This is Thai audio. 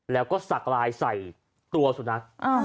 แล้วก็สักลายใส่ตัวสุนัข